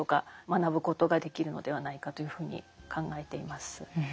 学ぶことができるのではないかというふうに考えています。